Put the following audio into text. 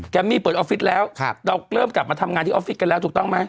มมี่เปิดออฟฟิศแล้วเราเริ่มกลับมาทำงานที่ออฟฟิศกันแล้วถูกต้องไหม